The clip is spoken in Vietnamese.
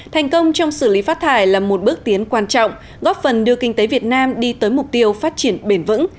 thành công trong xử lý phát thải là một bước tiến quan trọng góp phần đưa kinh tế việt nam đi tới mục tiêu phát triển bền vững